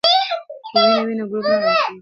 که وینه وي نو ګروپ نه غلطیږي.